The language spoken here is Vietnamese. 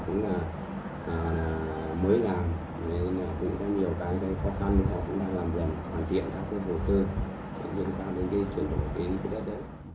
để chúng ta đến cái chuyển đổi mục đích đất đấy